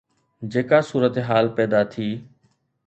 جيڪا صورتحال پيدا ٿي